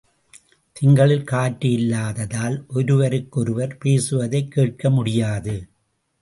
திங்களில் காற்று இல்லாததால் ஒருவருக்கொருவர் பேசுவதைக் கேட்கமுடியாது.